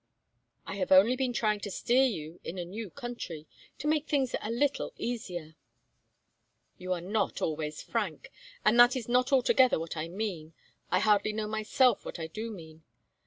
"I have only been trying to steer you in a new country to make things a little easier " "You are not always frank. And that is not altogether what I mean. I hardly know myself what I do mean.